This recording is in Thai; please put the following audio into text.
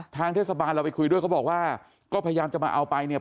ทางเทศบาลเราไปคุยด้วยเขาบอกว่าก็พยายามจะมาเอาไปเนี่ย